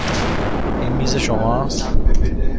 این میز شماست.